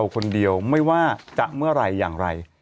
อ้าวไอ้ผีกูจะไปรู้เรื่องก็ได้ยังไง